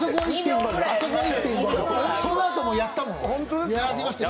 そのあともやったもん。